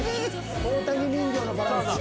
大谷人形のバランス。